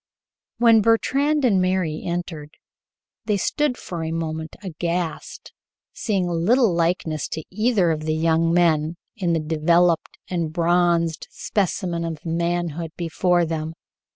When Bertrand and Mary entered, they stood for a moment aghast, seeing little likeness to either of the young men in the developed and bronzed specimen of manhood before them.